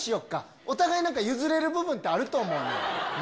お互いなんか譲れる部分ってあると思うの。な。